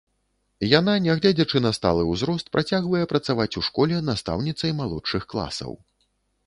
Яна, нягледзячы на сталы ўзрост, працягвае працаваць у школе настаўніцай малодшых класаў.